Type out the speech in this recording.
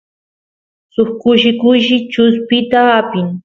suk kushi kushi chuspita apin